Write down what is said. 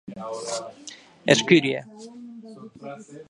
Escurie.